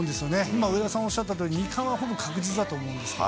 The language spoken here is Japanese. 今、上田さんがおっしゃったとおり、二冠はほぼ確実だと思うんですね。